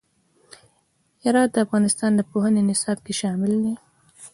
هرات د افغانستان د پوهنې نصاب کې شامل دي.